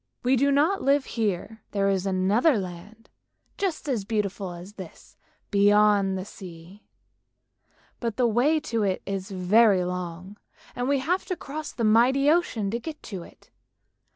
We do not live here; there is another land, just as beautiful as this, beyond the sea; but the way to it is very long and we have to cross the mighty ocean to get to it.